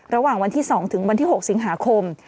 ระหว่างวันที่๒ถึงวันที่๖สิงหาคม